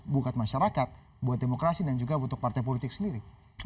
bukan masyarakat buat demokrasi dan juga untuk partai politik sendiri